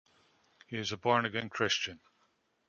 He is a born-again Christian.